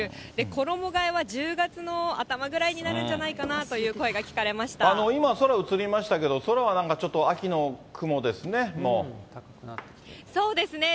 衣がえは１０月の頭ぐらいになるんじゃないかなという声が聞かれ今、空映りましたけど、そうですね。